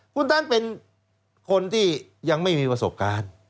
คุณตันเป็นคนที่ยังไม่มีประสบการณ์